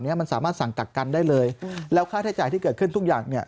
เนี้ยมันสามารถสั่งกักกันได้เลยแล้วค่าใช้จ่ายที่เกิดขึ้นทุกอย่างเนี่ย